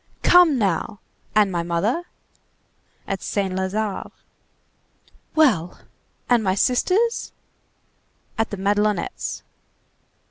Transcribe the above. "Come, now! And my mother?" "At Saint Lazare." "Well! And my sisters?" "At the Madelonettes."